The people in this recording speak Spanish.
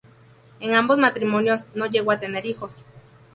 En ambos matrimonios no llegó a tener hijos.